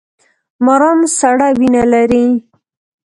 ماران سړه وینه لري